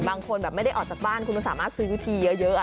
บางคนแบบไม่ได้ออกจากบ้านคุณก็สามารถซื้อวิธีเยอะ